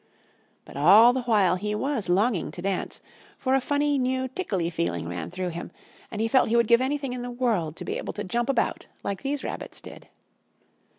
But all the while he was longing to dance, for a funny new tickly feeling ran through him, and he felt he would give anything in the world to be able to jump about like these rabbits did.